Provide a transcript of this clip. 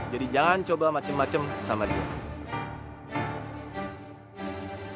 jadi jangan coba macem macem sama dia